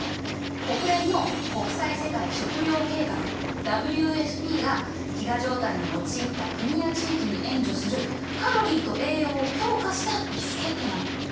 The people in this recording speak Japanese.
国連の国際世界食糧計画が飢餓状態に陥った国や地域に援助するカロリーと栄養を強化したビスケットなの。